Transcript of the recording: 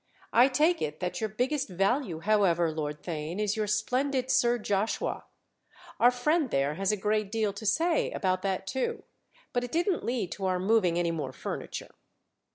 "I take it that your biggest value, however, Lord Theign, is your splendid Sir Joshua. Our friend there has a great deal to say about that too—but it didn't lead to our moving any more furniture."